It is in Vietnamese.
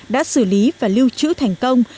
đã xử lý và lưu trữ thành công